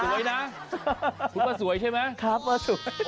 สวยนะคุณว่าสวยใช่ไหมครับว่าสวย